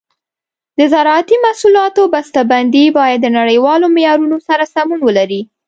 د زراعتي محصولاتو بسته بندي باید د نړیوالو معیارونو سره سمون ولري.